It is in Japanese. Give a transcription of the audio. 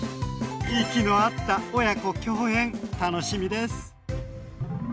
息の合った親子共演楽しみです。